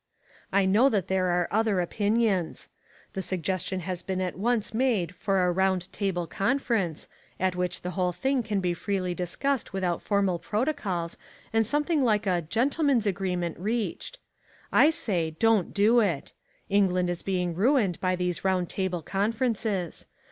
I know that there are other opinions. The suggestion has been at once made for a "round table conference," at which the whole thing can be freely discussed without formal protocols and something like a "gentleman's agreement" reached. I say, don't do it. England is being ruined by these round table conferences.